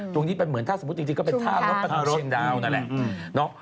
ตรงนี้เป็นเหมือนถ้าสมมุติจริงก็เป็นท่ารถประจำเชียงดาวนั่นแหละ